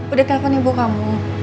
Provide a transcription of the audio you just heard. udah telepon ibu kamu